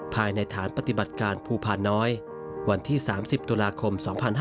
ภายในฐานปฏิบัติการภูพาน้อยวันที่๓๐ตุลาคม๒๕๕๙